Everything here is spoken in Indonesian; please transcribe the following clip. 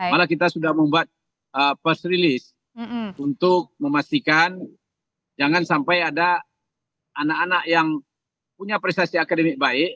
malah kita sudah membuat post release untuk memastikan jangan sampai ada anak anak yang punya prestasi akademik baik